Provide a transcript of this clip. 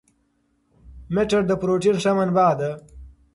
مټر د پروتین ښه منبع ده.